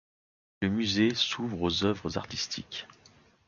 Le musée s’ouvre aux œuvres artistiques.